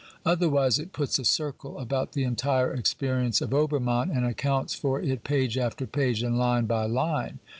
Otherwise it puts a circle about the entire experience of Obermann and accounts for it page after page and line by line.